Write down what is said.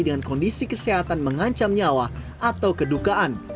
dengan kondisi kesehatan mengancam nyawa atau kedukaan